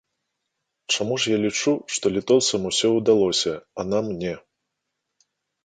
Чаму ж я лічу, што літоўцам усё удалося, а нам не?